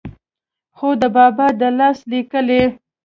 خو دَبابا دَلاس ليکلې